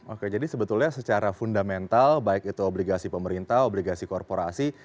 oke jadi sebetulnya secara fundamental baik itu obligasi pemerintah obligasi korporasi